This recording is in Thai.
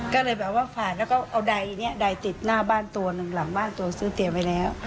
ก็เลยแบบว่าผ่านแล้วก็เอาใดเนี่ยใดติดหน้าบ้านตัวหนึ่งหลังบ้านตัวซื้อเตรียมไว้แล้ว